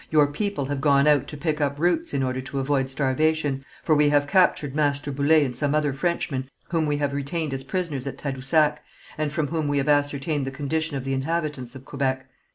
Your people have gone out to pick up roots in order to avoid starvation, for we have captured Master Boullé and some other Frenchmen whom we have retained as prisoners at Tadousac, and from whom we have ascertained the condition of the inhabitants of Quebec."